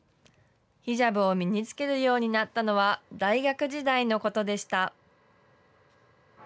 ヒジャブを身につけるようになったのは大学時代のことでした。